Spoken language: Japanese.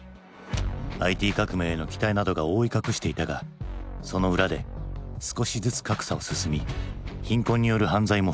ＩＴ革命への期待などが覆い隠していたがその裏で少しずつ格差は進み貧困による犯罪も増えていく。